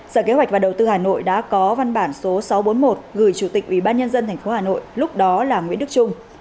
sở kế hoạch và đầu tư hà nội đã có văn bản số sáu trăm bốn mươi một gửi chủ tịch ubnd tp hà nội lúc đó là nguyễn đức trung